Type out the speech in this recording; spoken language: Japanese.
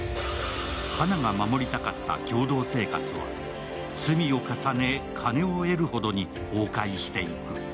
花が守りたかった共同生活は罪を重ね、金を得るほどに崩壊していく。